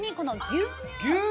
牛乳。